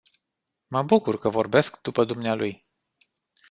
Mă bucur că vorbesc după dumnealui.